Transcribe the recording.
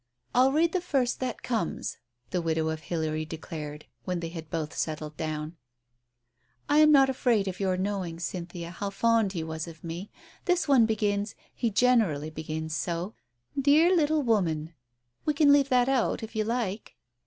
"I'll read the first that comes," the widow of Hilary declared, when they had both settled down. "I am not afraid of your knowing, Cynthia, how fond he was of me. This one begins — he generally begins so —* Dear little woman '— we can leave that out if you like